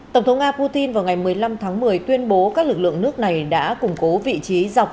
tổng thống nga putin vào ngày một mươi năm tháng một mươi tuyên bố các lực lượng nước này đã củng cố vị trí dọc